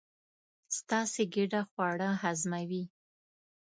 ستاسې ګېډه خواړه هضموي.